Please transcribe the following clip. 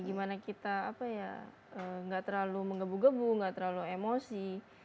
gimana kita apa ya enggak terlalu menggebu gebu enggak terlalu emosi